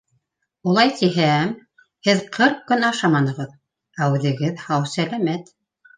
Улай тиһәм, һеҙ ҡырҡ көн ашаманығыҙ, ә үҙегеҙ һау-сәләмәт.